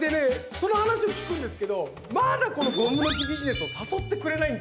その話を聞くんですけどまだこのゴムの木ビジネスを誘ってくれないんですよ。